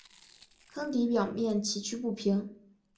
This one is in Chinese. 坑底表面崎岖不平。